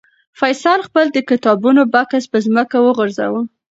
فیصل خپل د کتابونو بکس په ځمکه وغورځاوه.